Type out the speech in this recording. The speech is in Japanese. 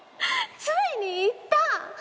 ついに言った！